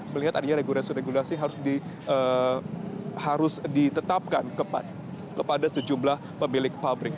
melihat adanya regulasi regulasi harus ditetapkan kepada sejumlah pemilik pabrik